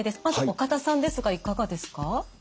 まず岡田さんですがいかがですか？